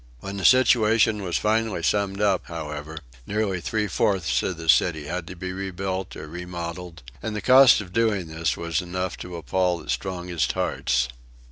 When the situation was finally summed up, however, nearly three fourths of the city had to be rebuilt or remodeled, and the cost of doing this was enough to appal the strongest hearts.